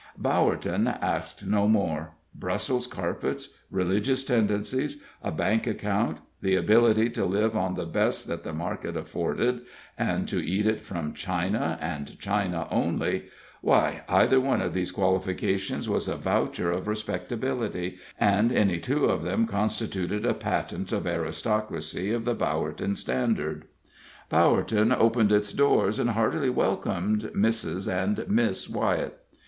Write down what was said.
Bowerton asked no more. Brussels carpets, religious tendencies, a bank account, the ability to live on the best that the market afforded, and to eat it from china, and china only why, either one of these qualifications was a voucher of respectability, and any two of them constituted a patent of aristocracy of the Bowerton standard. Bowerton opened its doors, and heartily welcomed Mrs. and Miss Wyett.